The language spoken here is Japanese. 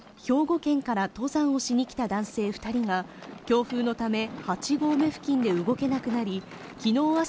兵庫県から登山をしに来た男性二人が強風のため８合目付近で動けなくなりきのう